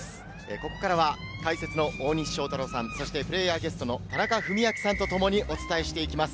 ここからは解説の大西将太郎さん、そしてプレーヤーゲストの田中史朗さんとともにお伝えしていきます。